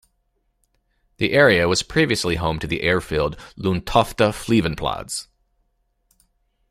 The area was previously home to the airfield Lundtofte Flyveplads.